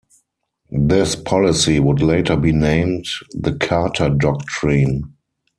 This policy would later be named the Carter Doctrine.